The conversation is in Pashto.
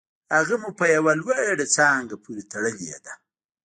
هغه مو په یوه لوړه څانګه پورې تړلې ده